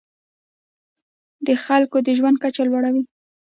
د خلکو د ژوند کچه لوړوي.